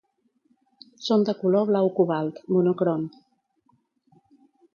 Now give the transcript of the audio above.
Són de color blau cobalt, monocrom.